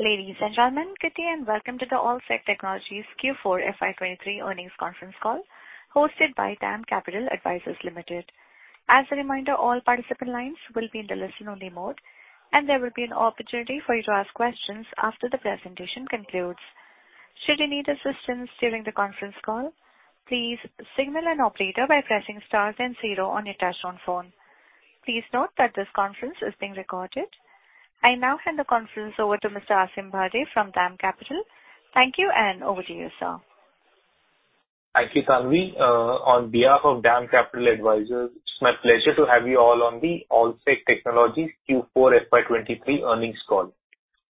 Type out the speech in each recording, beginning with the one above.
Ladies and gentlemen, good day and welcome to the Allsec Technologies Q4 FY '23 Earnings Conference Call hosted by DAM Capital Advisors Limited. As a reminder, all participant lines will be in the listen-only mode, and there will be an opportunity for you to ask questions after the presentation concludes. Should you need assistance during the conference call, please signal an operator by pressing star then 0 on your touchtone phone. Please note that this conference is being recorded. I now hand the conference over to Mr. Aasim Bharde from DAM Capital. Thank you, and over to you, sir. Thank you, Tanvi. On behalf of DAM Capital Advisors, it's my pleasure to have you all on the Allsec Technologies Q4 FY '23 Earnings Call.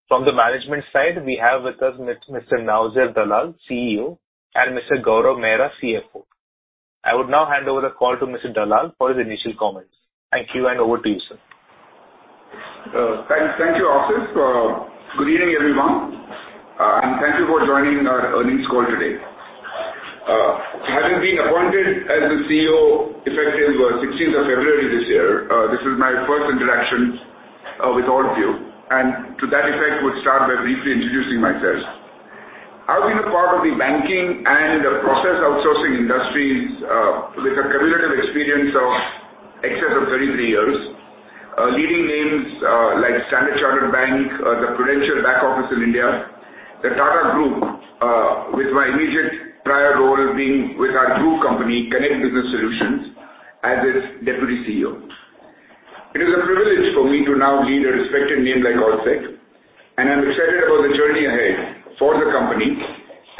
From the management side, we have with us Mr. Naozer Dalal, CEO, and Mr. Gaurav Mehra, CFO. I would now hand over the call to Mr. Dalal for his initial comments. Thank you, over to you, sir. Thank you, Aasim. Good evening, everyone, and thank you for joining our earnings call today. Having been appointed as the CEO effective, 16th of February this year, this is my first interaction with all of you, and to that effect would start by briefly introducing myself. I've been a part of the banking and the process outsourcing industries, with a cumulative experience of excess of 33 years, leading names like Standard Chartered Bank, the Prudential Back Office in India, the Tata Group, with my immediate prior role being with our group company, Conneqt Business Solutions, as its Deputy CEO. It is a privilege for me to now lead a respected name like Allsec, and I'm excited about the journey ahead for the company.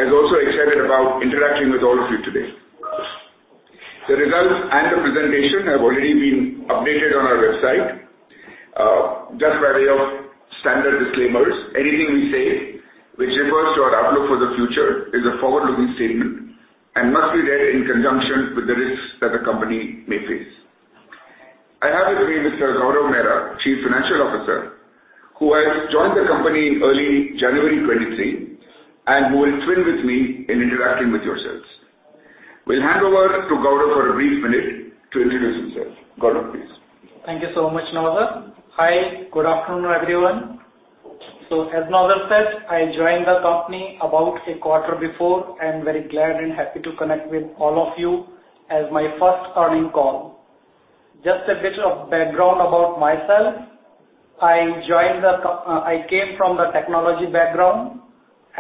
I'm also excited about interacting with all of you today. The results and the presentation have already been updated on our website. Just by way of standard disclaimers, anything we say which refers to our outlook for the future is a forward-looking statement and must be read in conjunction with the risks that the company may face. I have with me Mr. Gaurav Mehra, Chief Financial Officer, who has joined the company in early January 2023, and who will twin with me in interacting with yourselves. Will hand over to Gaurav for a brief minute to introduce himself. Gaurav, please. Thank you so much, Naozer. Hi, good afternoon, everyone. As Naozer said, I joined the company about a quarter before. I'm very glad and happy to connect with all of you as my first earnings call. Just a bit of background about myself. I came from the technology background,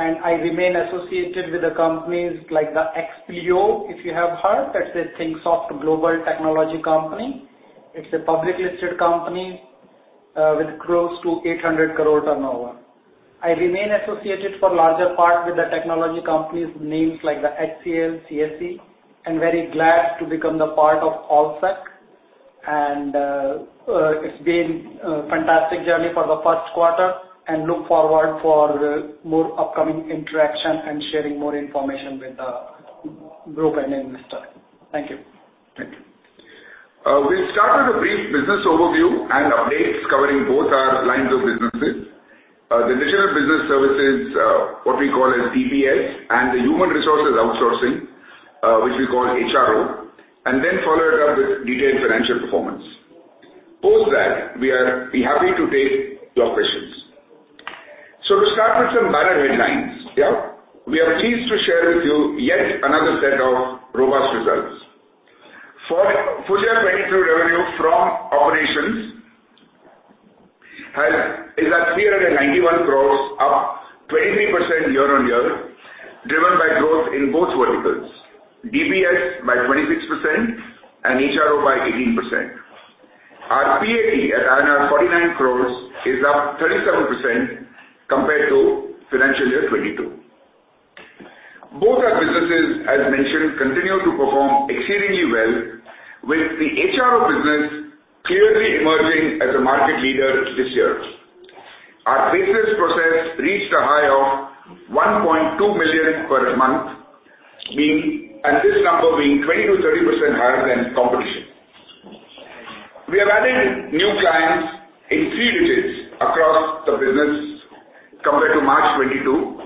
and I remain associated with the companies like the Expleo, if you have heard. That's a Thinksoft Global technology company. It's a public listed company with close to 800 crore turnover. I remain associated for larger part with the technology companies names like the HCL, CSC, and very glad to become the part of Allsec. It's been a fantastic journey for the first quarter and look forward for more upcoming interaction and sharing more information with the group and investor. Thank you. Thank you. We'll start with a brief business overview and updates covering both our lines of businesses. The Digital Business Services, what we call as DBS, and the Human Resources Outsourcing, which we call HRO, and then follow it up with detailed financial performance. Post that, we are happy to take your questions. To start with some banner headlines, yeah, we are pleased to share with you yet another set of robust results. For full year 2022 revenue from operations is at 391 crore, up 23% year-on-year, driven by growth in both verticals. DBS by 26% and HRO by 18%. Our PAT at INR 49 crore is up 37% compared to financial year 2022. Both our businesses, as mentioned, continue to perform exceedingly well, with the HRO business clearly emerging as a market leader this year. Our business process reached a high of 1.2 million per month, this number being 20%-30% higher than competition. We have added new clients in three digits across the business compared to March 2022,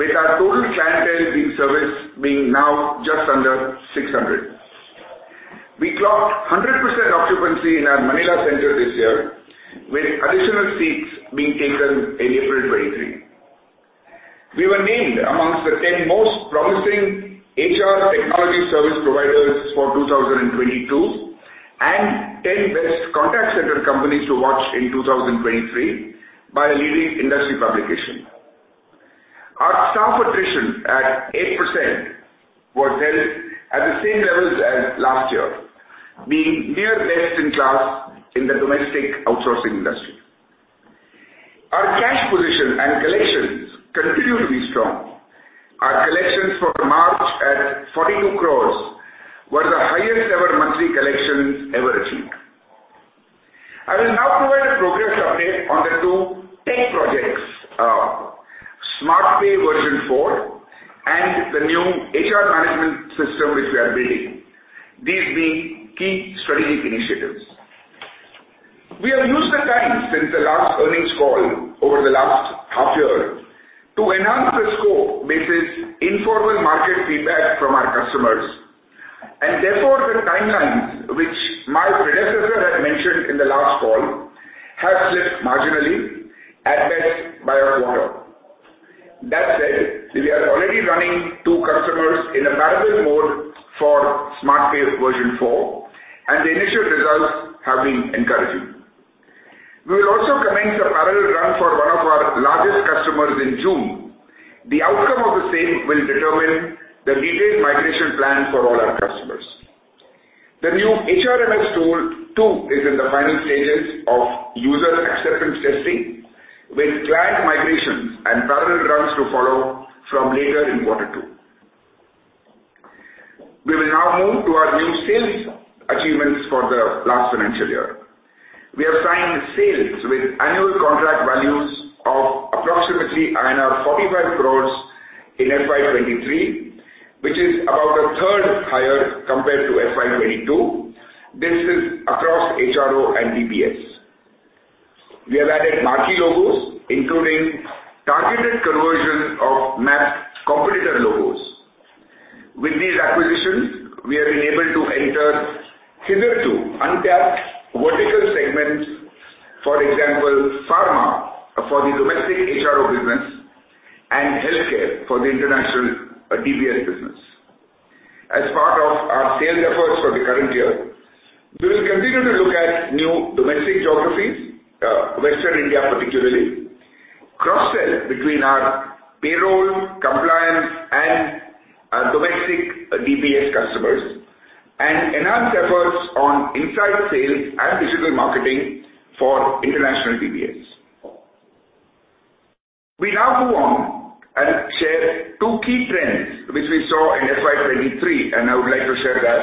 with our total clientele being serviced being now just under 600. We clocked 100% occupancy in our Manila center this year, with additional seats being taken in April 2023. We were named amongst the 10 Most Promising HR Technology Service Providers for 2022, 10 Best Contact Center Companies to Watch in 2023 by a leading industry publication. Our staff attrition at 8% was held at the same levels as last year, being near best in class in the domestic outsourcing industry. Our cash position and collections continue to be strong. Our collections for March at 42 crores were the highest ever monthly collections ever achieved. I will now provide a progress update on the two tech projects. SmartPay version 4 and the new HR Management System which we are building. These being key strategic initiatives. We have used the time since the last earnings call over the last half year to enhance the scope based on informal market feedback from our customers. Therefore, the timelines which my predecessor had mentioned in the last call have slipped marginally, at best by a quarter. That said, we are already running two customers in a parallel mode for SmartPay version 4, and the initial results have been encouraging. We will also commence a parallel run for one of our largest customers in June. The outcome of the same will determine the detailed migration plan for all our customers. The new HRMS tool, too, is in the final stages of user acceptance testing, with client migrations and parallel runs to follow from later in quarter two. We will now move to our new sales achievements for the last financial year. We have signed sales with annual contract values of approximately INR 45 crores in FY 2023, which is about 1/3 higher compared to FY 2022. This is across HRO and DBS. We have added marquee logos, including targeted conversion of MAP competitor logos. With these acquisitions, we have been able to enter hitherto untapped vertical segments. For example, pharma for the domestic HRO business and healthcare for the international DBS business. As part of our sales efforts for the current year, we will continue to look at new domestic geographies, Western India particularly, cross-sell between our payroll, compliance and domestic DBS customers, and enhance efforts on inside sales and digital marketing for international DBS. We now move on and share two key trends which we saw in FY 2023, and I would like to share that,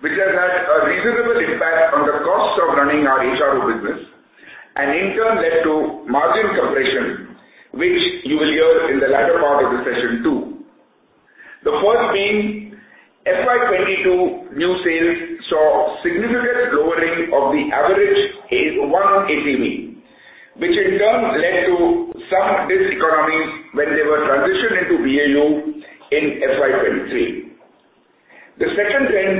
which has had a reasonable impact on the cost of running our HRO business and in turn led to margin compression, which you will hear in the latter part of the session too. The first being FY 2022 new sales saw significant lowering of the average ATB, which in turn led to some diseconomies when they were transitioned into BAU in FY 2023. The second trend,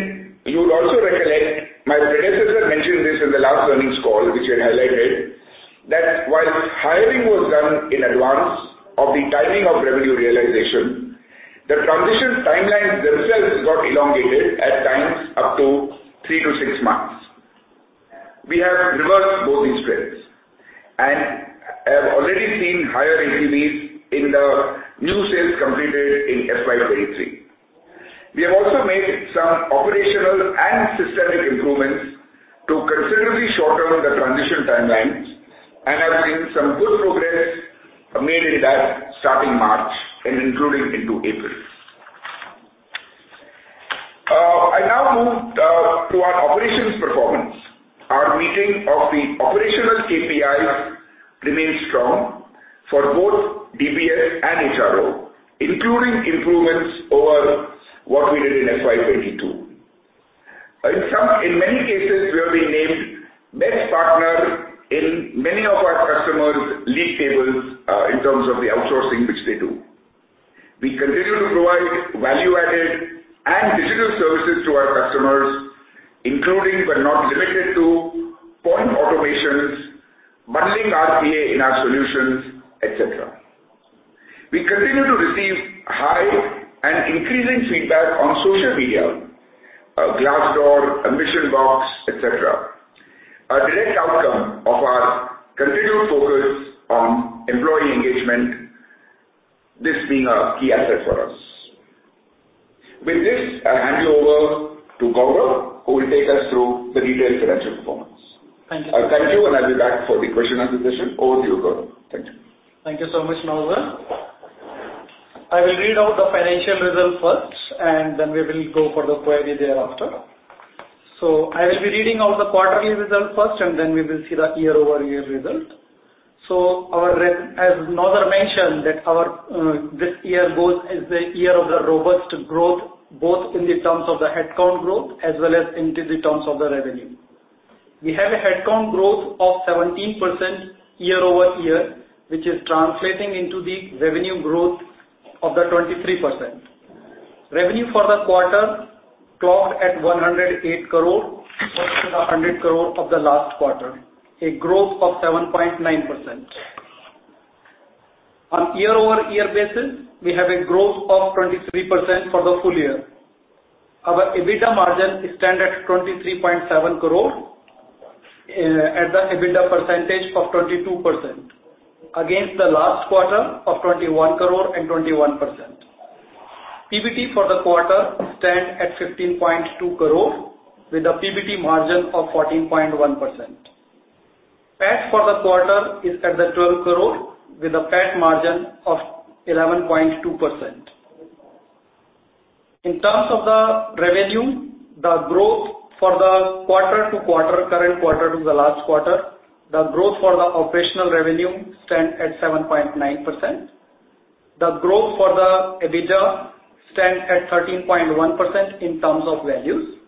you would also recollect, my predecessor mentioned this in the last earnings call, which had highlighted that while hiring was done in advance of the timing of revenue realization, the transition timelines themselves got elongated at times up to 3-6 months. We have reversed both these trends, have already seen higher ATBs in the new sales completed in FY 2023. We have also made some operational and systemic improvements to considerably shorten the transition timelines and have seen some good progress made in that starting March and including into April. I now move to our operations performance. Our meeting of the operational KPIs remains strong for both DBS and HRO, including improvements over what we did in FY 2022. In many cases, we have been named best partner in many of our customers' league tables, in terms of the outsourcing which they do. We continue to provide value-added and digital services to our customers, including but not limited to form automations, bundling RPA in our solutions, et cetera. We continue to receive high and increasing feedback on social media, Glassdoor, MissionBox, et cetera. A direct outcome of our continued focus on employee engagement, this being a key asset for us. With this, I hand you over to Gaurav, who will take us through the detailed financial performance. Thank you. Thank you, and I'll be back for the question and discussion. Over to you, Gaurav. Thank you. Thank you so much, Naozer. I will read out the financial results first. Then we will go for the query thereafter. I will be reading out the quarterly results first. Then we will see the year-over-year result. As Naozer mentioned, that our this year goes as the year of the robust growth, both in the terms of the headcount growth as well as in terms of the revenue. We have a headcount growth of 17% year-over-year, which is translating into the revenue growth of 23%. Revenue for the quarter clocked at 108 crore versus 100 crore of the last quarter, a growth of 7.9%. On year-over-year basis, we have a growth of 23% for the full year. Our EBITDA margin stand at 23.7 crore as an EBITDA percentage of 22% against the last quarter of 21 crore and 21%. PBT for the quarter stand at 15.2 crore with a PBT margin of 14.1%. PAT for the quarter is at the 12 crore with a PAT margin of 11.2%. In terms of the revenue, the growth for the quarter-to-quarter, current quarter to the last quarter, the growth for the operational revenue stand at 7.9%. The growth for the EBITDA stands at 13.1% in terms of value.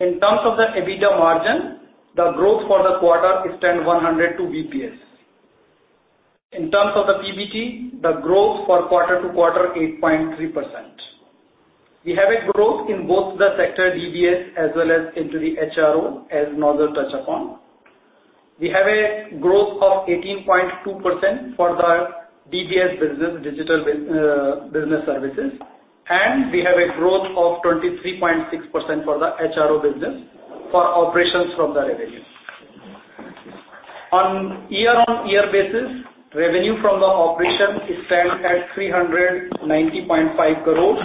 In terms of the EBITDA margin, the growth for the quarter stands 100 bps. In terms of the PBT, the growth for quarter-to-quarter, 8.3%. We have a growth in both the sector DBS as well as into the HRO, as Naozer touched upon. We have a growth of 18.2% for the DBS business, Digital Business Services. We have a growth of 23.6% for the HRO business for operations from the revenue. On year-on-year basis, revenue from the operation stands at 390.5 crores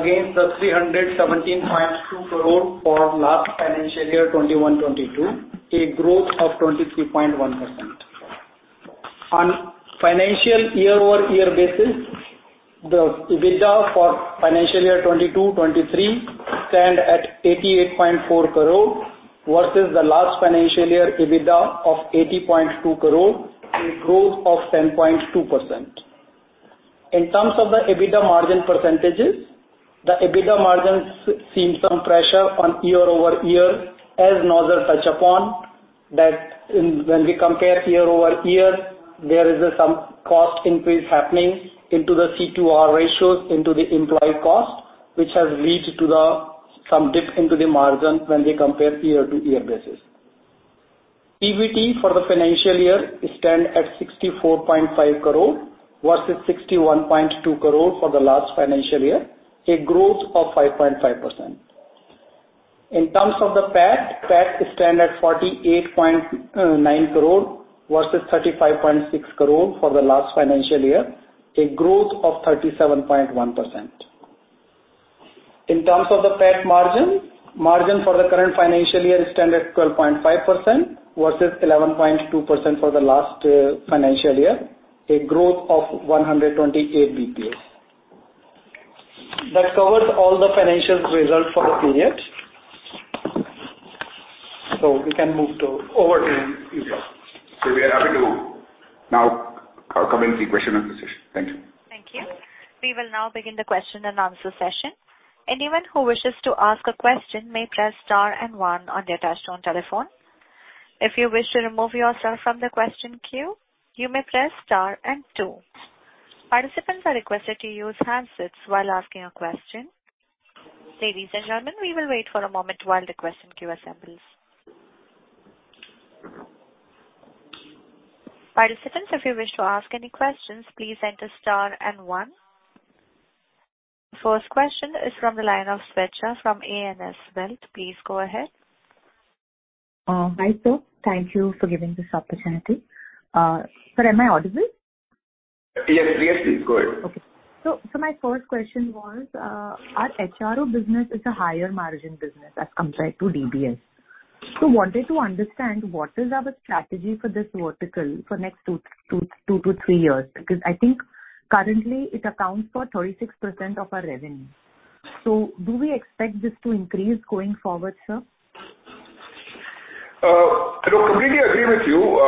against the 317.2 crores for last financial year, 2021-2022, a growth of 23.1%. On financial year-over-year basis, the EBITDA for financial year 2022-2023 stand at 88.4 crores versus the last financial year EBITDA of 80.2 crores, a growth of 10.2%. In terms of the EBITDA margin %, the EBITDA margins seem some pressure on year-over-year as Naozer touched upon, that when we compare year-over-year, there is some cost increase happening into the C2R ratios into the employee cost, which has lead to the some dip into the margin when we compare year-to-year basis. PBT for the financial year stand at 64.5 crores versus 61.2 crores for the last financial year, a growth of 5.5%. In terms of the PAT stand at 48.9 crores versus 35.6 crores for the last financial year, a growth of 37.1%. In terms of the PAT margin for the current financial year stand at 12.5% versus 11.2% for the last financial year, a growth of 128 bps. That covers all the financial results for the period. Over to you, sir. We are happy to now commence the question and answer session. Thank you. Thank you. We will now begin the question and answer session. Anyone who wishes to ask a question may press star and one on their touchtone telephone. If you wish to remove yourself from the question queue, you may press star and two. Participants are requested to use handsets while asking a question. Ladies and gentlemen, we will wait for a moment while the question queue assembles. Participants, if you wish to ask any questions, please enter star and one. First question is from the line of Swecha from A&S Wealth. Please go ahead. Hi, sir. Thank you for giving this opportunity. Sir, am I audible? Yes, yes, please go ahead. Okay. My first question was, our HRO business is a higher margin business as compared to DBS. Wanted to understand what is our strategy for this vertical for next two to three years because I think currently it accounts for 36% of our revenue. Do we expect this to increase going forward, sir? I completely agree with you.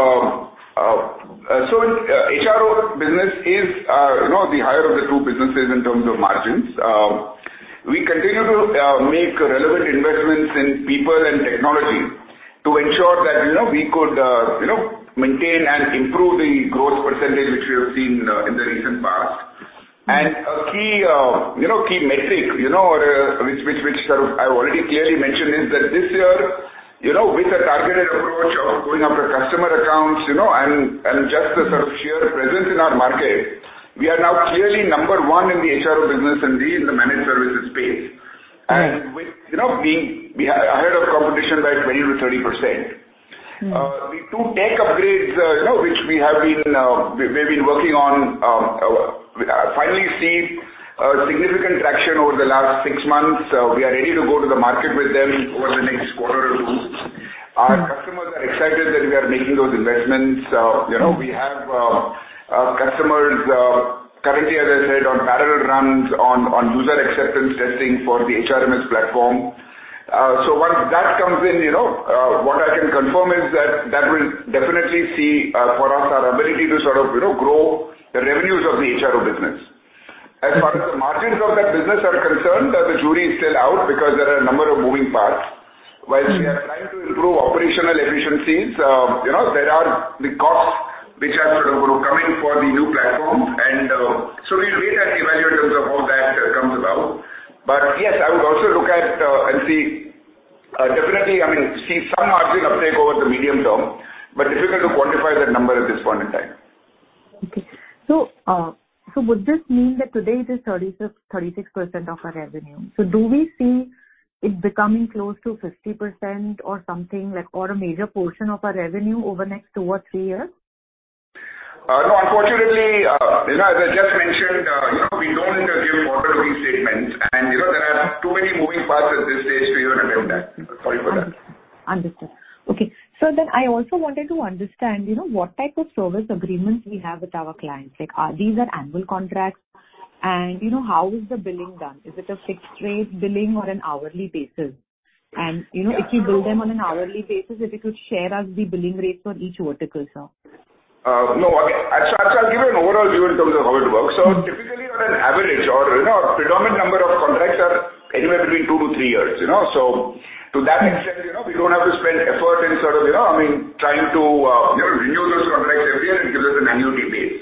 HRO business is, you know, the higher of the two businesses in terms of margins. We continue to make relevant investments in people and technology to ensure that, you know, we could, you know, maintain and improve the growth % which we have seen in the recent past. A key, you know, key metric, you know, which sort of I already clearly mentioned is that this year, you know, with a targeted approach of going after customer accounts, you know, and just the sort of sheer presence in our market, we are now clearly number one in the HRO business and we in the managed services space. Right. With, you know, being ahead of competition by 20% to 30%. Mm-hmm. The two tech upgrades, you know, which we have been, we've been working on, finally see significant traction over the last six months. We are ready to go to the market with them over the next quarter or 2. Mm-hmm. Our customers are excited that we are making those investments. You know, we have, our customers, currently, as I said, on parallel runs on user acceptance testing for the HRMS platform. Once that comes in, you know, what I can confirm is that that will definitely see, for us our ability to sort of, you know, grow the revenues of the HRO business. Mm-hmm. As far as margins of that business are concerned, the jury is still out because there are a number of moving parts. Mm-hmm. While we are trying to improve operational efficiencies, you know, there are the costs which are sort of, you know, coming for the new platform. We'll wait and evaluate in terms of how that comes about. Yes, I would also look at and see, definitely, I mean, see some margin uptake over the medium term, but difficult to quantify that number at this point in time. Okay. Would this mean that today it is 36% of our revenue? Do we see it becoming close to 50% or something like, or a major portion of our revenue over next two or three years? No, unfortunately, you know, as I just mentioned, you know, we don't give quarter three statements and, you know, there are too many moving parts at this stage to even attempt that. Sorry for that. Understood. Okay. I also wanted to understand, you know, what type of service agreements we have with our clients. Like, are these are annual contracts? You know, how is the billing done? Is it a fixed rate billing or an hourly basis? You know, if you bill them on an hourly basis, if you could share us the billing rates for each vertical, sir. No. Okay. Actually, I'll give you an overall view in terms of how it works. Typically, on an average or, you know, predominant number of contracts are anywhere between two to three years, you know. To that extent, you know, we don't have to spend effort in sort of, you know, I mean, trying to, you know, renew those contracts every year. It gives us an annual debate.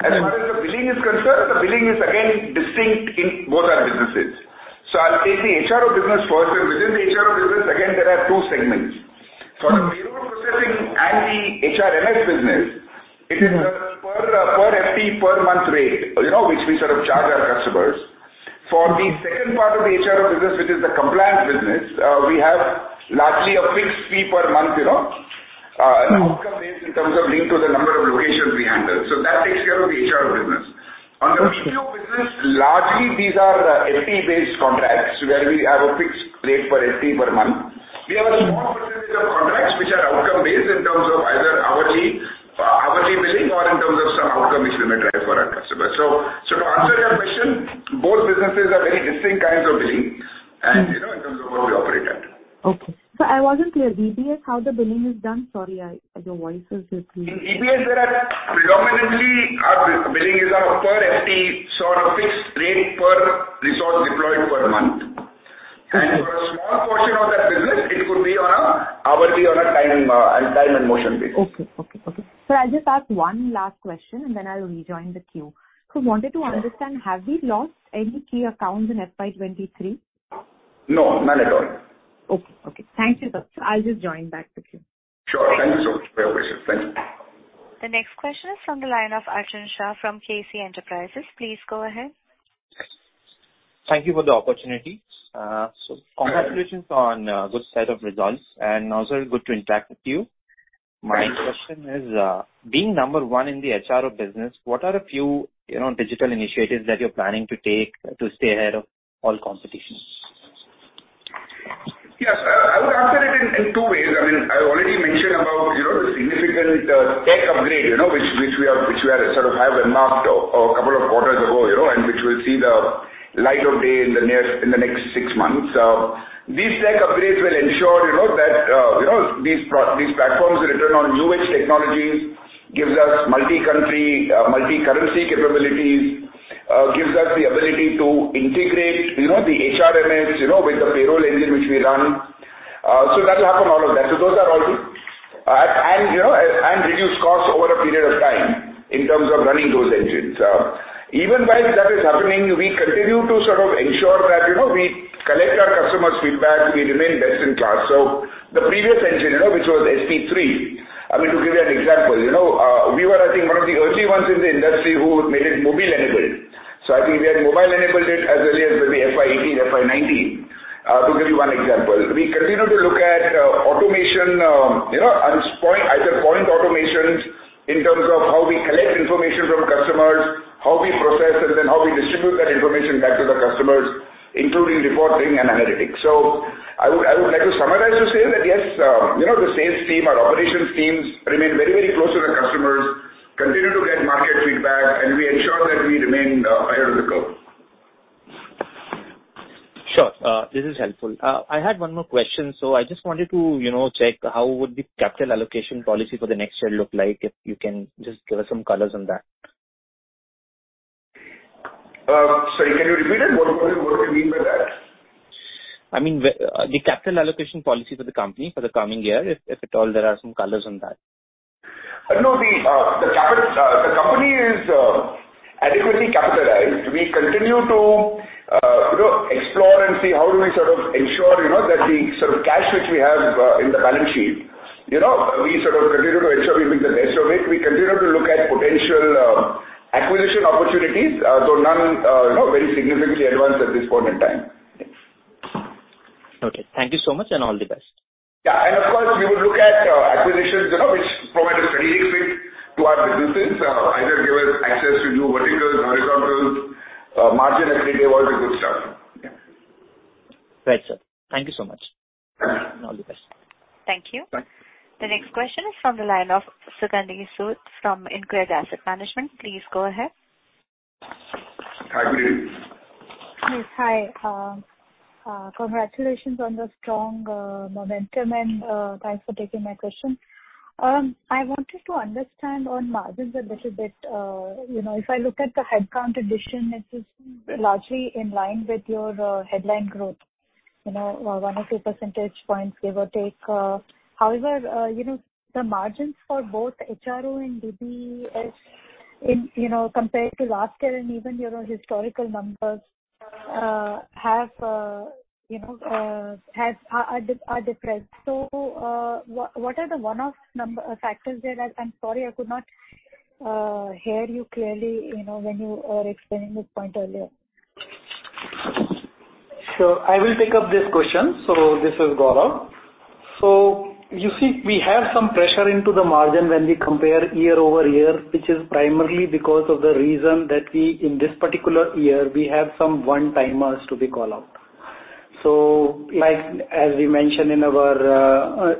As far as the billing is concerned, the billing is again distinct in both our businesses. I'll take the HRO business first, and within the HRO business, again, there are two segments. For the payroll processing and the HRMS business, it is a per FT per month rate, you know, which we sort of charge our customers. For the second part of the HRO business, which is the compliance business, we have largely a fixed fee per month, you know, an outcome based in terms of linked to the number of locations we handle. That takes care of the HRO business. On the BPO business, largely these are FT-based contracts where we have a fixed rate per FT per month. We have a small percentage of contracts which are outcome based in terms of either hourly billing or in terms of some outcome which we might try for our customers. To answer your question, both businesses are very distinct kinds of billing and, you know, in terms of how we operate at. Okay. I wasn't clear. In DBS, how the billing is done? Sorry, I. Your voice was just little. In DBS, there are predominantly our billing is on a per FT sort of fixed rate per resource deployed per month. Okay. For a small portion of that business, it could be on a hourly or a time and motion basis. Okay. Okay. Okay. Sir, I'll just ask one last question, and then I'll rejoin the queue. Wanted to understand, have we lost any key accounts in FY 2023? No, none at all. Okay. Okay. Thank you, sir. I'll just join back the queue. Sure. Thank you so much for your question. Thank you. The next question is from the line of Arjun Shah from KC Enterprises. Please go ahead. Thank you for the opportunity. Congratulations on good set of results, and also good to interact with you. My question is, being number one in the HRO business, what are a few, you know, digital initiatives that you're planning to take to stay ahead of all competition? Yes. I would answer it in two ways. I mean, I already mentioned about, you know, the significant tech upgrade, you know, which we have, which we are sort of have earmarked a couple of quarters ago, you know, and which we'll see the light of day in the next six months. These tech upgrades will ensure, you know, that, you know, these platforms are written on new age technologies, gives us multi-country, multi-currency capabilities, gives us the ability to integrate, you know, the HRMS, you know, with the payroll engine which we run. That'll happen all of that. Those are all the... You know, and reduce costs over a period of time in terms of running those engines. Even while that is happening, we continue to sort of ensure that, you know, we collect our customers' feedback. We remain best in class. The previous engine, you know, which was SP3, I mean, to give you an example, you know, we were, I think, one of the early ones in the industry who made it mobile enabled. I think we had mobile enabled it as early as maybe FY 2018, FY 2019, to give you one example. We continue to look at automation, you know, and either point automations in terms of how we collect information from customers, how we process it, and how we distribute that information back to the customers, including reporting and analytics. I would like to summarize to say that, yes, you know, the sales team, our operations teams remain very close to the customers, continue to get market feedback, and we ensure that we remain ahead of the curve. Sure. This is helpful. I had one more question. I just wanted to, you know, check how would the capital allocation policy for the next year look like, if you can just give us some colors on that? Sorry. Can you repeat it? What do you mean by that? I mean the capital allocation policy for the company for the coming year, if at all there are some colors on that? No. The company is adequately capitalized. We continue to, you know, explore and see how do we sort of ensure, you know, that the sort of cash which we have in the balance sheet, you know, we sort of continue to ensure we make the best of it. We continue to look at potential acquisition opportunities. None, you know, very significantly advanced at this point in time. Okay. Thank you so much, and all the best. Yeah. Of course, we would look at acquisitions, you know, which provide a strategic fit to our businesses. Either give us access to new verticals, horizontals, margin every day, all the good stuff. Yeah. Right, sir. Thank you so much. Uh-huh. All the best. Thank you. Thanks. The next question is from the line of Sugandhi Sud from InCred Asset Management. Please go ahead. Hi, good evening. Yes. Hi. Congratulations on the strong momentum. Thanks for taking my question. I wanted to understand on margins a little bit. You know, if I look at the headcount addition, it is largely in line with your headline growth. You know, 1 or 2 percentage points, give or take. However, you know, the margins for both HRO and DBS in, you know, compared to last year and even, you know, historical numbers are different. What are the one-off number factors there that. I'm sorry, I could not hear you clearly, you know, when you were explaining this point earlier. I will pick up this question. This is Gaurav. You see, we have some pressure into the margin when we compare year-over-year, which is primarily because of the reason that we, in this particular year, we have some one-timers to be called out. Like as we mentioned in our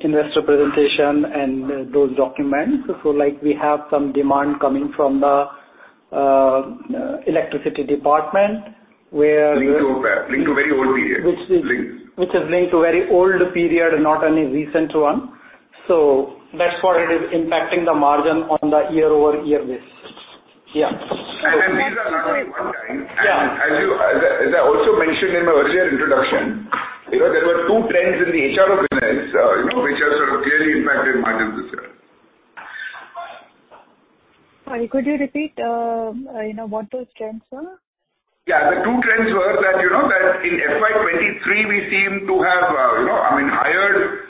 investor presentation and those documents, so like we have some demand coming from the electricity department. Linked to where? Linked to very old period. Which is- Linked. Which is linked to very old period and not any recent one. That's what it is impacting the margin on the year-over-year basis. Yeah. These are not very one time. Yeah. As I also mentioned in my earlier introduction, you know, there were two trends in the HRO business, you know, which has sort of clearly impacted margins this year. Sorry, could you repeat, you know, what those trends were? Yeah. The two trends were that, you know that in FY 2023 we seem to have, you know, I mean, hired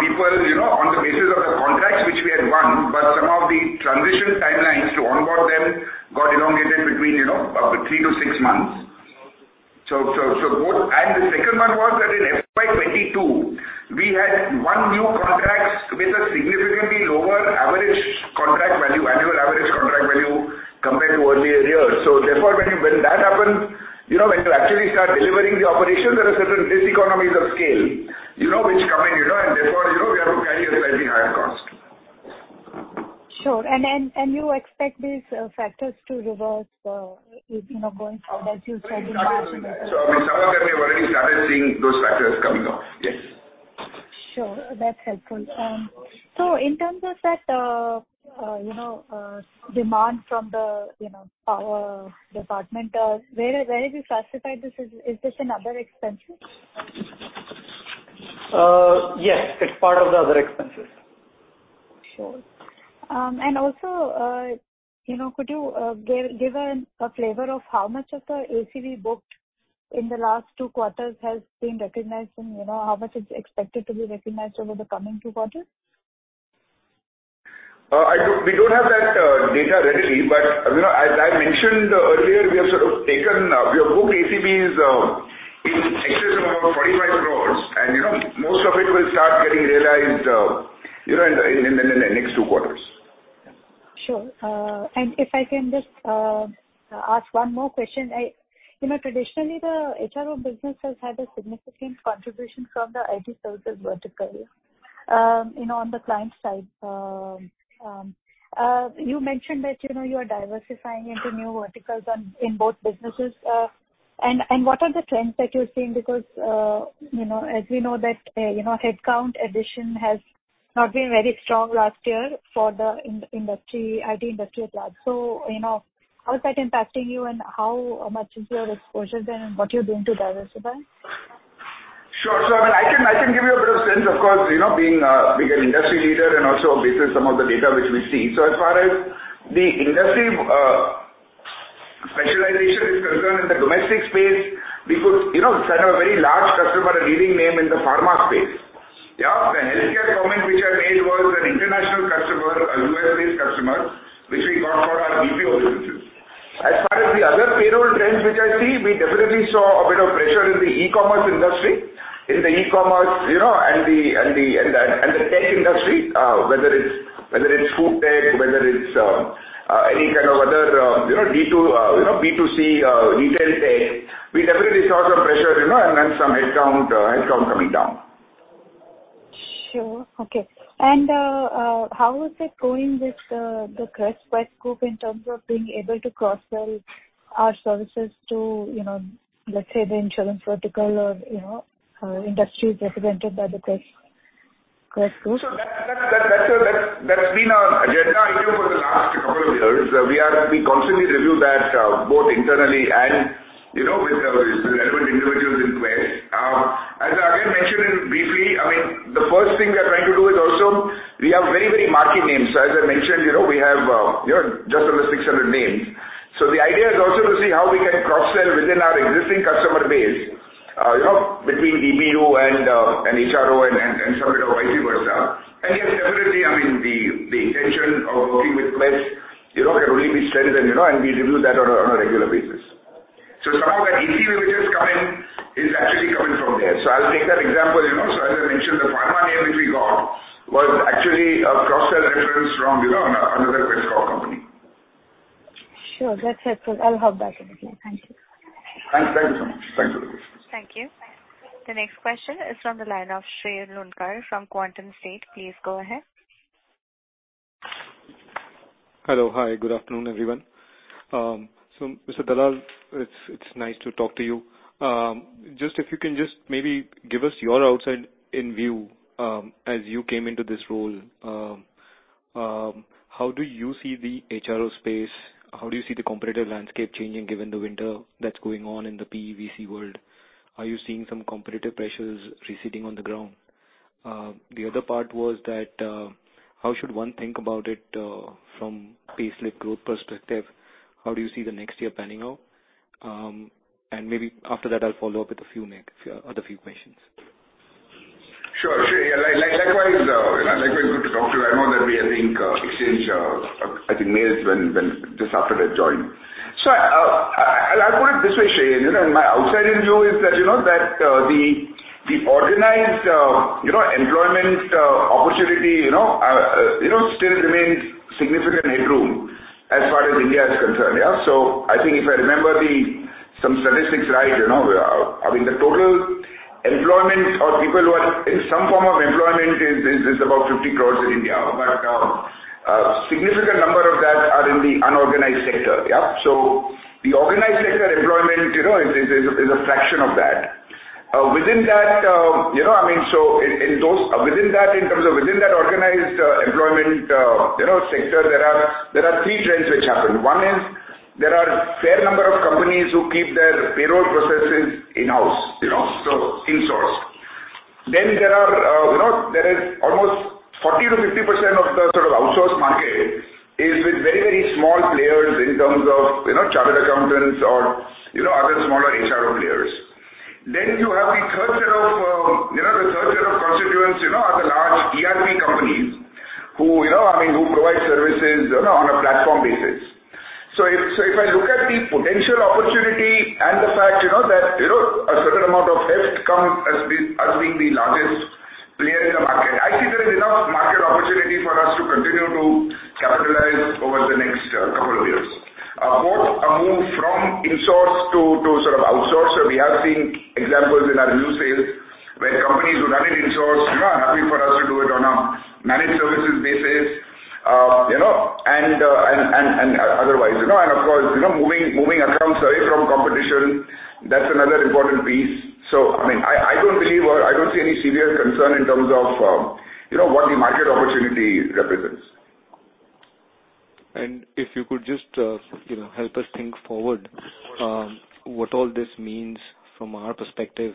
people, you know, on the basis of the contracts which we had won, but some of the transition timelines to onboard them got elongated between, you know, three to six months. both. The second one was that in FY 2022 we had one new contract with a significantly lower average contract value, annual average contract value compared to earlier years. Therefore that happens, you know, when you actually start delivering the operations, there are certain diseconomies of scale, you know, which come in, you know, and therefore, you know, we have to carry a slightly higher cost. Sure. You expect these factors to reverse, you know, going forward, as you said in the past. I mean, some of them we have already started seeing those factors coming up. Yes. ul. In terms of that, you know, demand from the, you know, power department, where have you classified this? Is this in other expenses? Yes, it's part of the other expenses. Sure. Also, you know, could you give a flavor of how much of the ACV booked in the last two quarters has been recognized and, you know, how much is expected to be recognized over the coming two quarters? We don't have that data readily, but, you know, as I mentioned earlier, we have sort of taken, we have booked ACVs, in excess of about 45 crores. You know, most of it will start getting realized, you know, in the next two quarters. Sure. If I can just ask one more question. You know, traditionally the HRO business has had a significant contribution from the IT services vertical, you know, on the client side. You mentioned that, you know, you are diversifying into new verticals on, in both businesses. What are the trends that you're seeing? Because, you know, as we know that, you know, headcount addition has not been very strong last year for the IT industry at large. You know, how is that impacting you and how much is your exposure there, and what are you doing to diversify? Sure. I mean, I can give you a bit of sense, of course, you know, being an industry leader and also based on some of the data which we see. As far as the industry specialization is concerned in the domestic space, we put, you know, set a very large customer, a leading name in the pharma space, yeah. The healthcare comment which I made was an international customer, a U.S.-based customer, which we got for our BPO businesses. As far as the other payroll trends which I see, we definitely saw a bit of pressure in the e-commerce industry. In the e-commerce, you know, and the tech industry, whether it's, whether it's food tech, whether it's any kind of other, you know, D2, you know, B2C, retail tech. We definitely saw some pressure, you know, and then some headcount coming down. Sure. Okay. How is it going with the Quess Corp group in terms of being able to cross-sell our services to, you know, let's say the insurance vertical or, you know, industries represented by the Quess Corp group? That's been our agenda item for the last couple of years. We constantly review that, both internally and, you know, with the relevant individuals in Quess. As I again mentioned in briefly, I mean, the first thing we are trying to do is also we have very, very marquee names. As I mentioned, you know, we have, you know, just over 600 names. The idea is also to see how we can cross-sell within our existing customer base, you know, between BPO and HRO and some bit of vice versa. Yes, definitely, I mean, the intention of working with Quess, you know, can only be strengthened, you know, and we review that on a regular basis. Some of that easy business coming is actually coming from there. I'll take that example, you know. As I mentioned, the pharma name which we got was actually a cross-sell reference from, you know, another Quess cohort company. Sure. That's helpful. I'll hop back in again. Thank you. Thank you so much. Thanks for the question. Thank you. The next question is from the line of Shrey Loonkar from Quantum State. Please go ahead. Hello. Hi, good afternoon, everyone. Mr. Dalal, it's nice to talk to you. Just if you can just maybe give us your outside-in view as you came into this role. How do you see the HRO space? How do you see the competitive landscape changing given the winter that's going on in the PEVC world? Are you seeing some competitive pressures receding on the ground? The other part was that how should one think about it from payslip growth perspective? How do you see the next year panning out? Maybe after that, I'll follow up with a few other few questions. Sure. Shrey, yeah, likewise, you know, likewise good to talk to you. I know that we, I think, exchanged, I think mails when just after I joined. I'll put it this way, Shrey, you know, my outside-in view is that, you know, that the organized, you know, employment opportunity, you know, still remains significant headroom as far as India is concerned, yeah. I think if I remember some statistics right, you know, I mean, the total employment or people who are in some form of employment is about 50 crores in India. A significant number of that are in the unorganized sector, yeah. The organized sector employment, you know, is a fraction of that. Within that, you know, I mean, within that in terms of within that organized employment, you know, sector, there are three trends which happen. One is there are a fair number of companies who keep their payroll processes in-house, you know, so insourced. There are, you know, there is almost 40%-50% of the sort of outsourced market is with very, very small players in terms of, you know, chartered accountants or, you know, other smaller HRO players. You have the third set of, you know, the third set of constituents, you know, are the large ERP companies who, you know, I mean, who provide services, you know, on a platform basis. If I look at the potential opportunity and the fact, you know, that, you know, a certain amount of heft come as being the largest player in the market, I think there is enough market opportunity for us to continue to capitalize over the next couple of years. Both a move from insource to sort of outsource. We have seen examples in our new sales where companies who run it insource, you know, are happy for us to do it on a managed services basis, you know, and otherwise, you know. Of course, you know, moving accounts away from competition, that's another important piece. I mean, I don't believe or I don't see any serious concern in terms of, you know, what the market opportunity represents. If you could just, you know, help us think forward, what all this means from our perspective.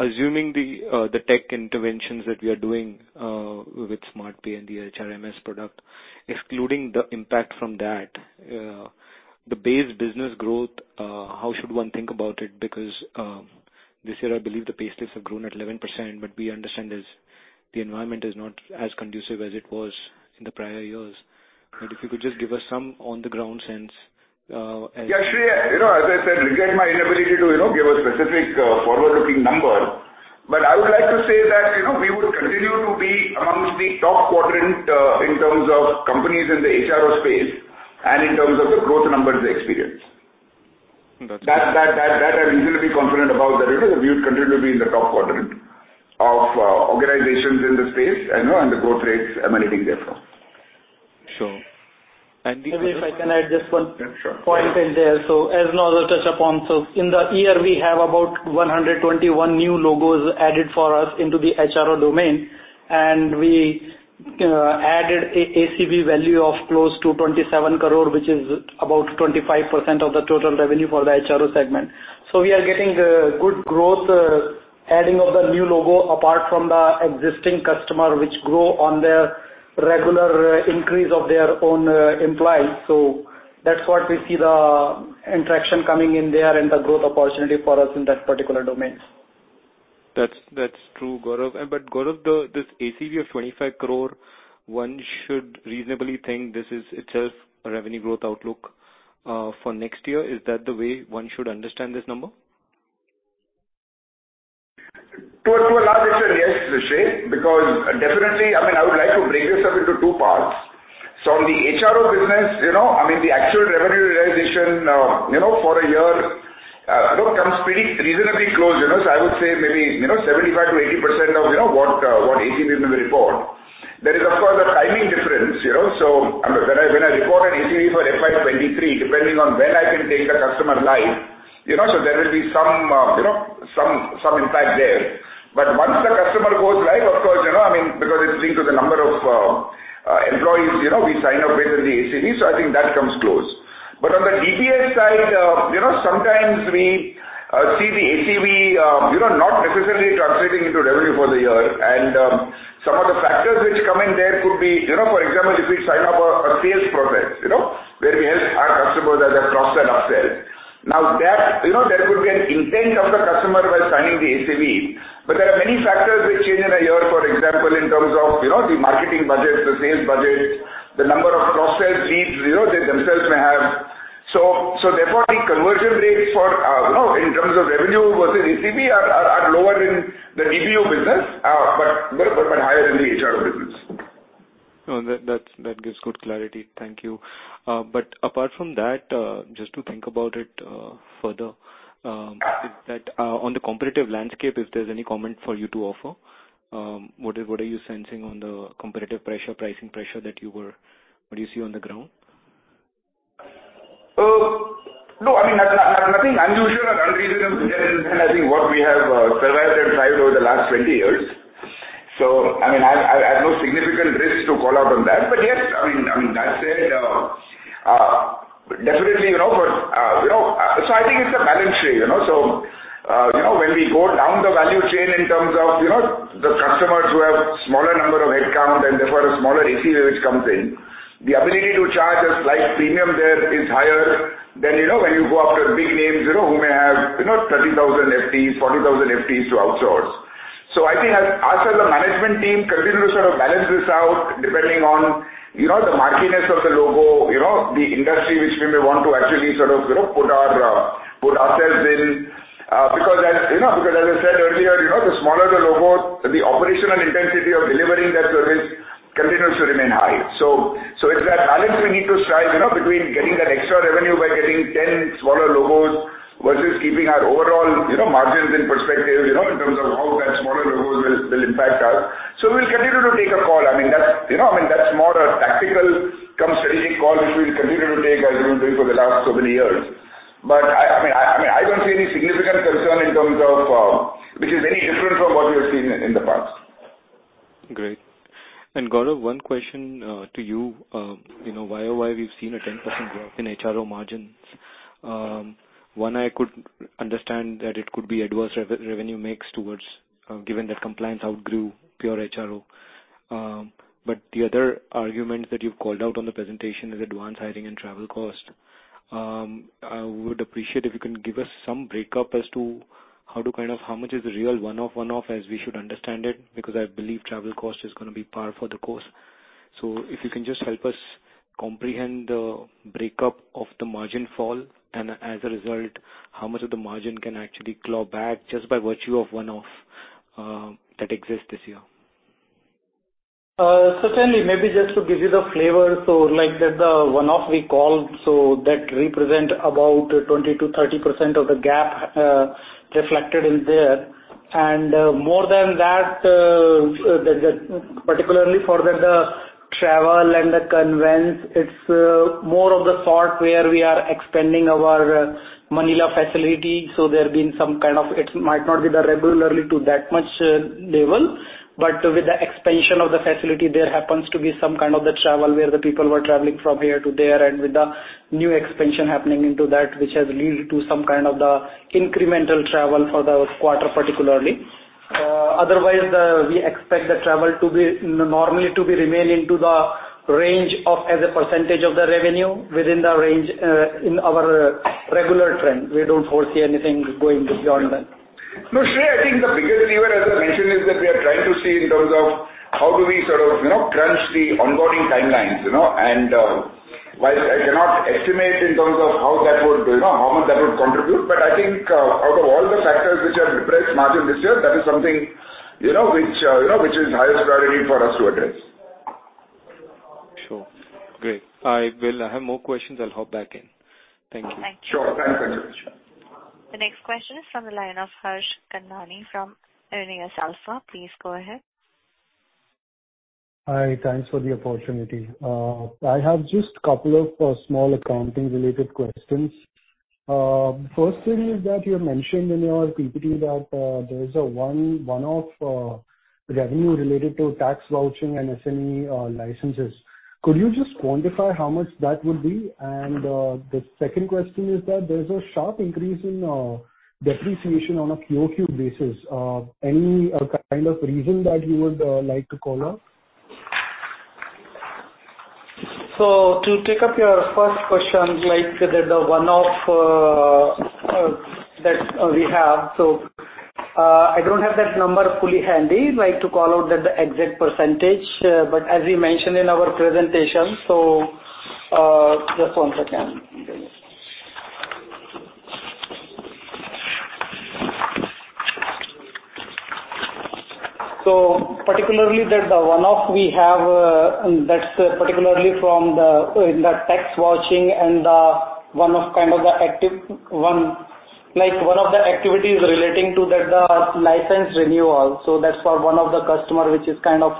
Assuming the tech interventions that we are doing, with SmartPay and the HRMS product, excluding the impact from that, the base business growth, how should one think about it? This year I believe the pay stubs have grown at 11%, but we understand is the environment is not as conducive as it was in the prior years. If you could just give us some on-the-ground sense. Yeah, Shrey, you know, as I said, regret my inability to, you know, give a specific forward-looking number. I would like to say that, you know, we would continue to be amongst the top quadrant in terms of companies in the HRO space and in terms of the growth numbers they experience. That's clear. That I'm reasonably confident about that, you know, we would continue to be in the top quadrant of organizations in the space, you know, and the growth rates emanating therefrom. Sure. Maybe if I can add just one- Yeah, sure. point in there. As Naozer touched upon, in the year we have about 121 new logos added for us into the HRO domain, and we added ACV value of close to 27 crore, which is about 25% of the total revenue for the HRO segment. We are getting good growth adding of the new logo apart from the existing customer, which grow on their regular increase of their own employees. That's what we see the interaction coming in there and the growth opportunity for us in that particular domain. That's true, Gaurav. Gaurav, this ACV of 25 crore, one should reasonably think this is itself a revenue growth outlook for next year. Is that the way one should understand this number? To a large extent, yes, Shrey, because definitely, I mean, I would like to break this up into two parts. On the HRO business, you know, I mean, the actual revenue realization, you know, for a year, you know, comes pretty reasonably close, you know. I would say maybe, you know, 75%-80% of, you know, what ACV we may report. There is, of course, a timing difference, you know. When I report an ACV for FY 2023, depending on when I can take the customer live, you know, there will be some, you know, some impact there. Once the customer goes live, of course, you know, I mean, because it's linked to the number of employees, you know, we sign up with the ACV, so I think that comes close. On the EPS side, you know, sometimes we see the ACV, you know, not necessarily translating into revenue for the year. Some of the factors which come in there could be, you know, for example, if we sign up a sales process, you know, where we help our customers as they cross that upsell. Now that, you know, there could be an intent of the customer while signing the ACV, but there are many factors which change in a year, for example, in terms of, you know, the marketing budget, the sales budget, the number of cross-sell leads, you know, they themselves may have. Therefore, the conversion rates for, you know, in terms of revenue versus ACV are lower in the BPO business, but higher in the HRO business. No, that's, that gives good clarity. Thank you. Apart from that, just to think about it further, is that on the competitive landscape, if there's any comment for you to offer, what are you sensing on the competitive pressure, pricing pressure, what do you see on the ground? No, I mean, nothing unusual or unreasonable here in I think what we have survived and thrived over the last 20 years. I mean, I have no significant risk to call out on that. Yes, I mean, I mean, that said, definitely, you know. I think it's a balance sheet, you know. You know, when we go down the value chain in terms of, you know, the customers who have smaller number of headcount and therefore a smaller ACV which comes in, the ability to charge a slight premium there is higher than, you know, when you go after big names, you know, who may have, you know, 30,000 FTEs, 40,000 FTEs to outsource. I think as, us as a management team continue to sort of balance this out depending on, you know, the marketness of the logo, you know, the industry which we may want to actually sort of, you know, put our, put ourselves in. Because as, you know, because as I said earlier, you know, the smaller the logo, the operational intensity of delivering that service continues to remain high. It's that balance we need to strike, you know, between getting that extra revenue by getting 10 smaller logos versus keeping our overall, you know, margins in perspective, you know, in terms of how that smaller logos will impact us. We'll continue to take a call. I mean, that's. You know, I mean, that's more a tactical cum strategic call, which we'll continue to take as we've been doing for the last so many years. I mean, I don't see any significant concern in terms of, which is any different from what we have seen in the past. Great. Gaurav, one question to you. You know, YoY, we've seen a 10% drop in HRO margins. One, I could understand that it could be adverse Revenue Mix towards, given that Compliance outgrew pure HRO. The other argument that you've called out on the presentation is advanced hiring and travel cost. I would appreciate if you can give us some breakup as to how much is the real one-off as we should understand it, because I believe travel cost is gonna be par for the course. If you can just help us comprehend the breakup of the margin fall, and as a result, how much of the margin can actually claw back just by virtue of one-off that exists this year. Certainly. Maybe just to give you the flavor, like that, one-off we called, that represent about 20% to 30% of the gap, reflected in there. More than that, than particularly for the travel and the convince, it's more of the sort where we are expanding our Manila facility. There have been some kind of, it might not be the regularly to that much level, but with the expansion of the facility, there happens to be some kind of the travel where the people were traveling from here to there, and with the new expansion happening into that, which has led to some kind of the incremental travel for this quarter, particularly. Otherwise, we expect the travel to be normally to be remain into the range of as a percentage of the revenue within the range, in our regular trend. We don't foresee anything going beyond that. No, Shrey, I think the biggest lever, as I mentioned, is that we are trying to see in terms of how do we sort of, you know, crunch the onboarding timelines, you know. While I cannot estimate in terms of how that would, you know, how much that would contribute, but I think, out of all the factors which have depressed margin this year, that is something, you know, which, you know, which is highest priority for us to address. Sure. Great. I have more questions. I'll hop back in. Thank you. Thank you. Sure. Thanks, Shrey. The next question is from the line of Harsh Kundnani from Aionios Alpha. Please go ahead. Hi. Thanks for the opportunity. I have just couple of small accounting related questions. First thing is that you mentioned in your PPT that there is a one-off revenue related to tax vouching and S&E licenses. Could you just quantify how much that would be? The second question is that there's a sharp increase in depreciation on a PoQ basis. Any kind of reason that you would like to call out? To take up your first question, like the one-off that we have. I don't have that number fully handy, like, to call out the exact percentage, but as we mentioned in our presentation, just one second. Particularly that the one-off we have, and that's particularly from the, in the tax vouching and one of kind of the active one. One of the activities relating to the license renewal. That's for one of the customer, which is kind of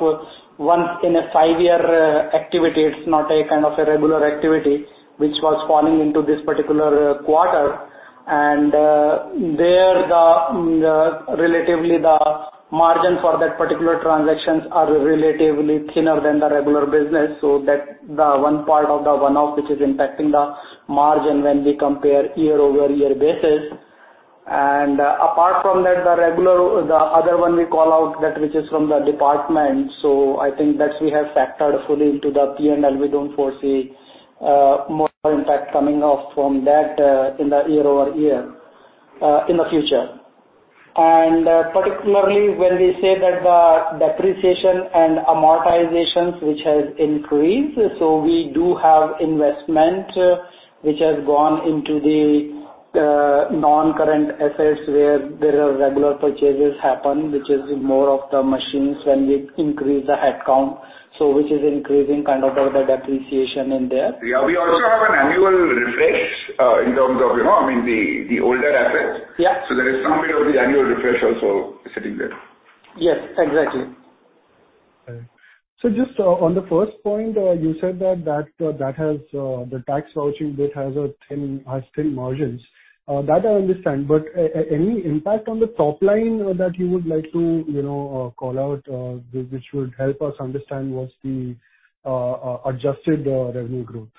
once in a five-year activity. It's not a kind of a regular activity which was falling into this particular quarter. There the relatively the margin for that particular transactions are relatively thinner than the regular business. That the one part of the one-off which is impacting the margin when we compare year-over-year basis. Apart from that, the regular the other one we call out that which is from the department. I think that we have factored fully into the P&L. We don't foresee more impact coming off from that in the year-over-year in the future. Particularly when we say that the depreciation and amortizations which has increased, we do have investment which has gone into the non-current assets where there are regular purchases happen, which is more of the machines when we increase the headcount. Which is increasing kind of the depreciation in there. Yeah. We also have an annual refresh, in terms of, you know, I mean, the older assets. Yeah. There is some bit of the annual refresh also sitting there. Yes, exactly. All right. Just on the first point, you said that that has, the tax vouching bit has thin margins. That I understand. Any impact on the top line that you would like to, you know, call out, which would help us understand what's the adjusted revenue growth?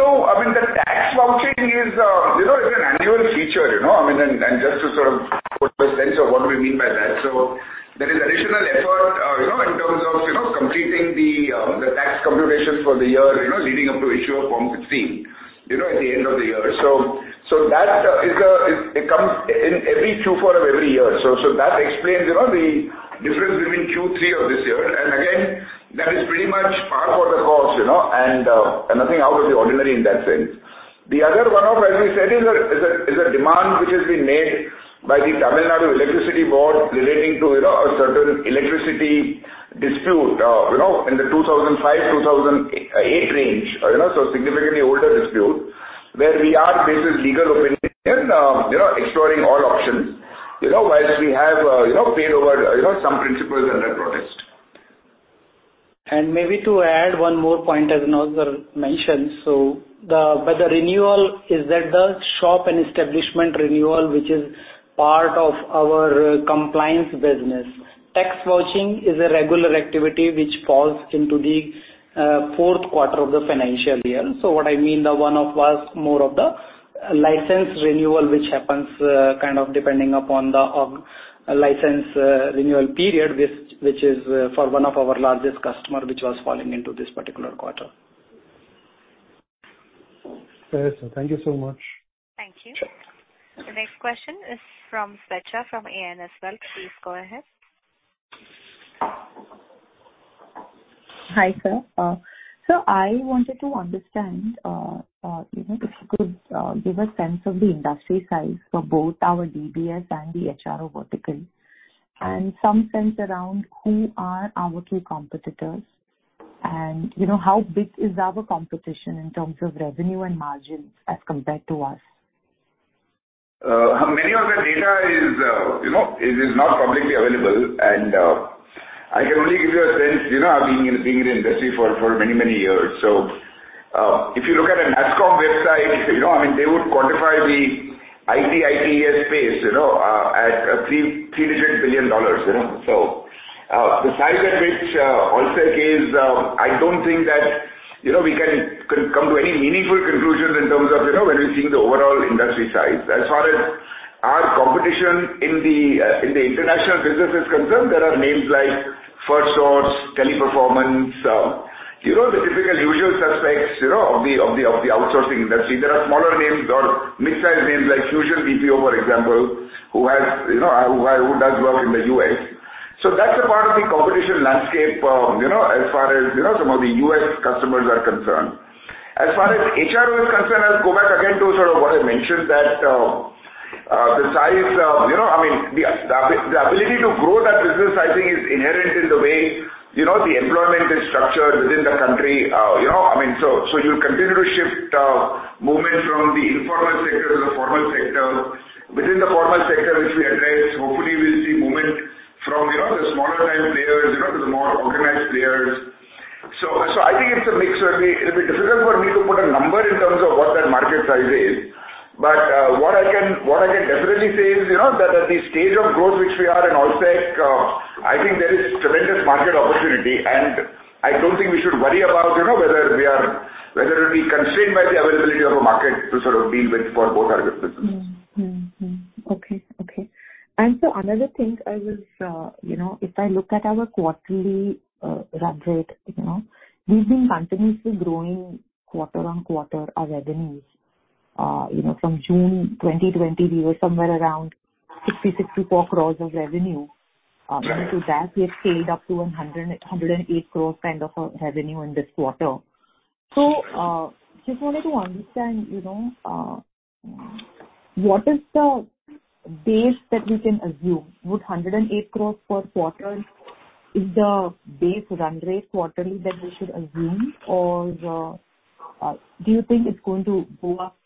I mean, the tax vouching is, you know, is an annual feature, you know. I mean, just to sort of put the sense of what do we mean by that. There is additional effort, you know, in terms of, you know, completing the tax computations for the year, you know, leading up to issue of Form 16, you know, at the end of the year. That is it comes in every Q4 of every year. That explains, you know, the difference between Q3 of this year. Again, that is pretty much par for the course, you know, and nothing out of the ordinary in that sense. The other one-off, as we said, is a demand which has been made by the Tamil Nadu Electricity Board relating to, you know, a certain electricity dispute, you know, in the 2005, 2008 range. You know, so significantly older dispute, where we are, based on legal opinion, you know, exploring all options. You know, whilst we have, you know, paid over, you know, some principals under protest. Maybe to add one more point as Naozer mentioned. The renewal is at the shop and establishment renewal, which is part of our compliance business. Tax vouching is a regular activity which falls into the fourth quarter of the financial year. What I mean, the one-off was more of the license renewal, which happens kind of depending upon the license renewal period, which is for one of our largest customer, which was falling into this particular quarter. Okay, sir. Thank you so much. Thank you. Sure. The next question is from Swecha from A&S wealth. Please go ahead. Hi, sir. I wanted to understand, you know, if you could give a sense of the industry size for both our DBS and the HRO verticals, and some sense around who are our key competitors and, you know, how big is our competition in terms of revenue and margins as compared to us? Many of the data is, you know, is not publicly available, and I can only give you a sense, you know, being in the industry for many, many years. If you look at a nasscom website, you know, I mean, they would quantify the IT/ITeS space, you know, at $300 billion. The size at which Allsec is, I don't think that, you know, we can come to any meaningful conclusions in terms of, you know, when we're seeing the overall industry size. Our competition in the international business is concerned, there are names like Firstsource, Teleperformance, you know, the typical usual suspects, you know, of the outsourcing industry. There are smaller names or midsize names like Fusion BPO, for example, who does work in the U.S. That's a part of the competition landscape, you know, as far as, you know, some of the U.S. customers are concerned. As far as HRO is concerned, I'll go back again to sort of what I mentioned that the size, you know, I mean, the ability to grow that business, I think is inherent in the way, you know, the employment is structured within the country. You know, I mean, so you continue to shift movement from the informal sector to the formal sector. Within the formal sector, which we address, hopefully we'll see movement from, you know, the smaller time players, you know, to the more organized players. I think it's a mix. It'll be difficult for me to put a number in terms of what that market size is. What I can definitely say is, you know, that at the stage of growth which we are in Allsec, I think there is tremendous market opportunity, and I don't think we should worry about, you know, whether we'll be constrained by the availability of a market to sort of deal with for both our businesses. Mm-hmm. Mm-hmm. Okay. Okay. Another thing I was, you know, if I look at our quarterly run rate, you know, we've been continuously growing quarter-on-quarter our revenues. You know, from June 2020, we were somewhere around 60-64 crore of revenue. And to that, we have scaled up to 108 crore kind of a revenue in this quarter. Just wanted to understand, you know, what is the base that we can assume? Would 108 crore per quarter is the base run rate quarterly that we should assume or do you think it's going to go up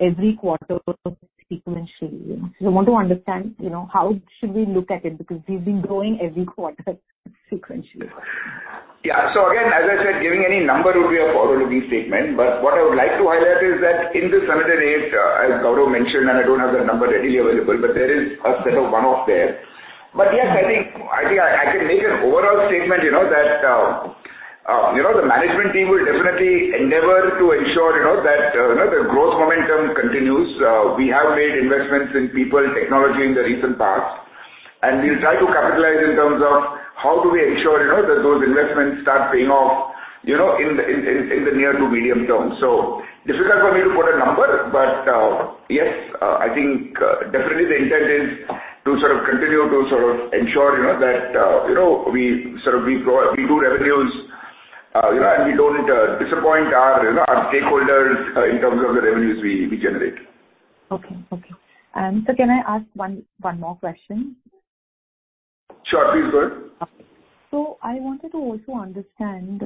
every quarter sequentially? I want to understand, you know, how should we look at it, because we've been growing every quarter sequentially. Yeah. Again, as I said, giving any number would be a forward-looking statement. What I would like to highlight is that in this audited rate, as Gaurav mentioned, I don't have that number readily available, there is a set of one-off there. Yes, I think I can make an overall statement, you know, that, you know, the management team will definitely endeavor to ensure, you know, that, you know, the growth momentum continues. We have made investments in people technology in the recent past, and we'll try to capitalize in terms of how do we ensure, you know, that those investments start paying off, you know, in the near to medium term. Difficult for me to put a number, but, yes, I think, definitely the intent is to sort of continue to sort of ensure, you know, that, you know, we sort of, we grow, we do revenues, you know, and we don't, disappoint our, you know, our stakeholders, in terms of the revenues we generate. Okay. Okay. sir, can I ask one more question? Sure. Please go ahead. Okay. I wanted to also understand,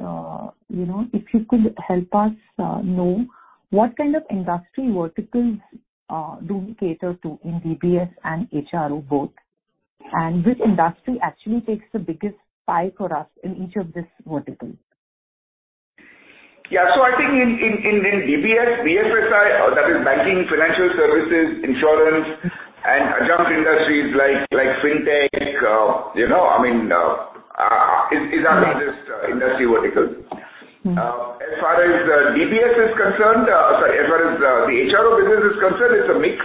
you know, if you could help us know what kind of industry verticals do we cater to in DBS and HRO both, and which industry actually takes the biggest pie for us in each of these verticals? Yeah. I think in DBS, BFSI, that is banking, financial services, insurance- Mm-hmm. -and adjunct industries like fintech, you know, I mean, is our- Right. biggest industry vertical. Mm-hmm. As far as DBS is concerned, sorry, as far as the HRO business is concerned, it's a mix.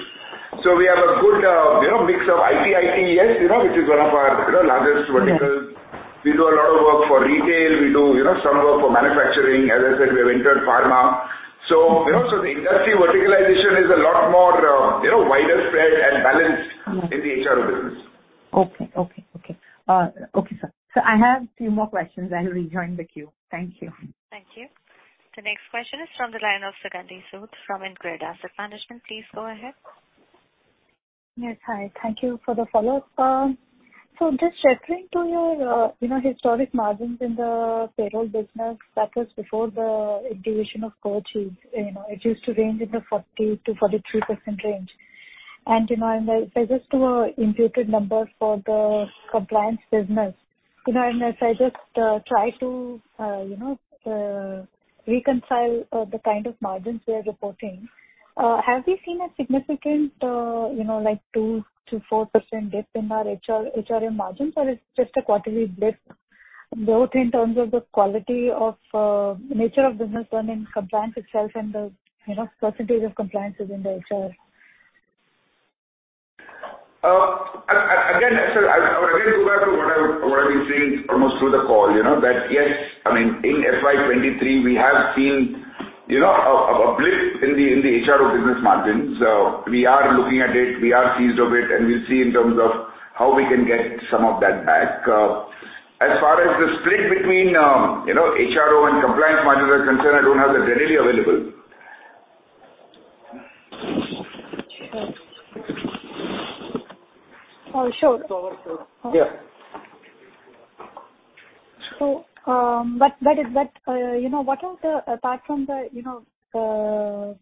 We have a good, you know, mix of IT/ITeS, you know, which is one of our, you know, largest verticals. Yeah. We do a lot of work for retail. We do, you know, some work for manufacturing. As I said, we have entered pharma. You know, the industry verticalization is a lot more, you know, wider spread and balanced in the HRO business. Okay. Okay. Okay. Okay, sir. I have few more questions. I'll rejoin the queue. Thank you. Thank you. The next question is from the line of Sugandhi Sud from InCred Asset Management. Please go ahead. Yes. Hi. Thank you for the follow-up. Just sheltering to your, you know, historic margins in the payroll business, that was before the acquistion of Kochi. You know, it used to range in the 40%-43% range. If I just do a imputed number for the compliance business, you know, and if I just, try to, you know, reconcile, the kind of margins we are reporting, have we seen a significant, you know, like 2%-4% dip in our HR, HRM margins or it's just a quarterly blip, both in terms of the quality of, nature of business done in compliance itself and the, you know, percentage of compliance is in the HR? Again, I would again go back to what I've been saying almost through the call, you know, that yes, I mean, in FY 2023 we have seen, you know, a blip in the HRO business margins. We are looking at it, we are seized of it, we'll see in terms of how we can get some of that back. As far as the split between, you know, HRO and compliance margin are concerned, I don't have that readily available. Sure. Oh, sure. Yeah. But is that, you know, apart from the, you know,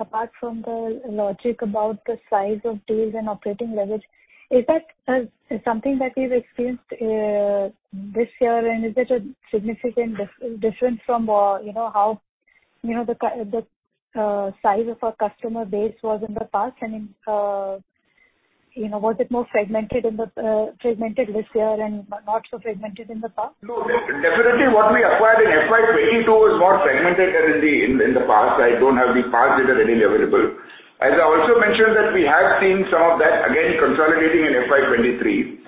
apart from the logic about the size of deals and operating leverage, is that something that you've experienced this year and is it a significant difference from, you know, how, you know, the size of our customer base was in the past and in, you know, was it more fragmented this year and not so fragmented in the past? No, definitely what we acquired in FY 2022 is more fragmented than in the past. I don't have the past data readily available. As I also mentioned that we have seen some of that again consolidating in FY 2023.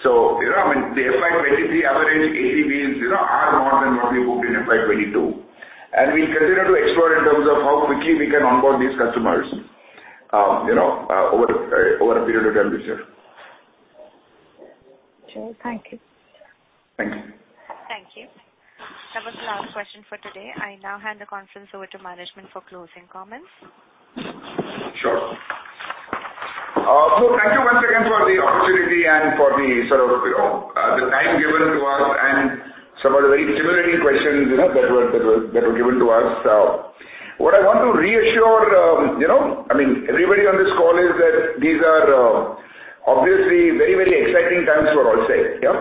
You know, I mean, the FY 2023 average ADVs, you know, are more than what we booked in FY 2022. We consider to explore in terms of how quickly we can onboard these customers, you know, over a period of time this year. Sure. Thank you. Thank you. Thank you. That was the last question for today. I now hand the conference over to management for closing comments. Sure. Thank you once again for the opportunity and for the sort of, the time given to us and some of the very stimulating questions, you know, that were given to us. What I want to reassure, you know, I mean, everybody on this call is that these are obviously very, very exciting times for Allsec, yeah.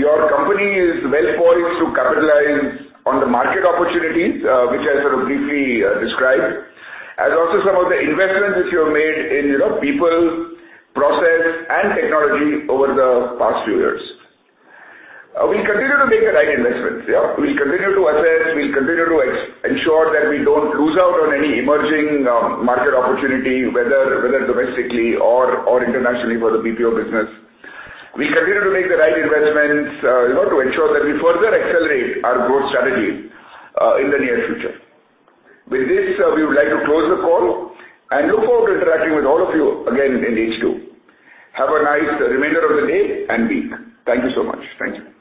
Your company is well poised to capitalize on the market opportunities, which I sort of briefly described, and also some of the investments which you have made in, you know, people, process and technology over the past few years. We continue to make the right investments, yeah. We'll continue to assess, we'll continue to ensure that we don't lose out on any emerging market opportunity, whether domestically or internationally for the BPO business. We continue to make the right investments, you know, to ensure that we further accelerate our growth strategy in the near future. With this, we would like to close the call and look forward to interacting with all of you again in H2. Have a nice remainder of the day and week. Thank you so much. Thank you. Thank you.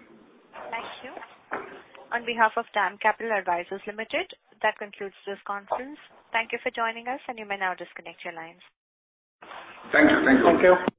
On behalf of DAM Capital Advisors Limited, that concludes this conference. Thank you for joining us, and you may now disconnect your lines. Thank you. Thank you. Thank you.